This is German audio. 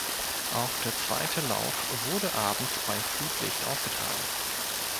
Auch der zweite Lauf wurde abends bei Flutlicht ausgetragen.